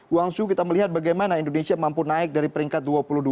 guangzhou kita melihat bagaimana indonesia mampu naik dari peringkat dua puluh dua